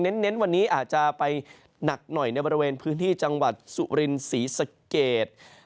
เน้นวันนี้อาจจะไปหนักหน่อยในบริเวณพื้นที่จังหวัดสุรินศรีสะเกด